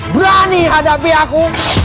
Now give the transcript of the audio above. berani hadapi aku